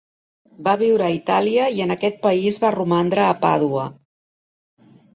Va viure a Itàlia i en aquest país va romandre a Pàdua.